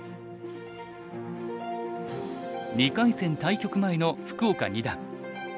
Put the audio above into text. ２回戦対局前の福岡二段。